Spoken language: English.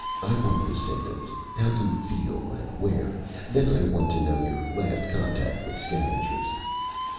I want the symptoms: how you feel and where. Then I want to know your last contact with scavengers."